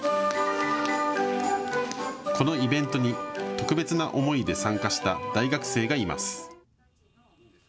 このイベントに特別な思いで参加した大学生がいます。